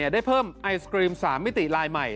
ได้เพิ่มไอศกรีม๓มิติลายใหม่